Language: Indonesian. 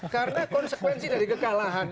karena konsekuensi dari kekalahan